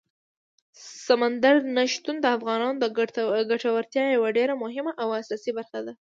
سمندر نه شتون د افغانانو د ګټورتیا یوه ډېره مهمه او اساسي برخه ده.